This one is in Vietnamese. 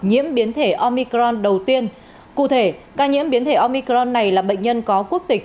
nhiễm biến thể omicron đầu tiên cụ thể ca nhiễm biến thể omicron này là bệnh nhân có quốc tịch